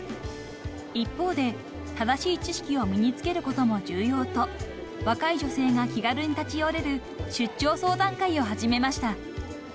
［一方で正しい知識を身に付けることも重要と若い女性が気軽に立ち寄れる出張相談会を始めました］